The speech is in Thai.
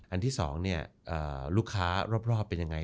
อันที่๒ลูกค้ารอบเป็นยังไง